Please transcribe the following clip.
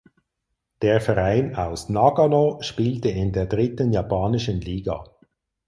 Der Verein aus Nagano spielte in der dritten japanischen Liga.